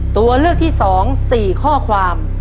ตัวเลือกที่๒๔ข้อความ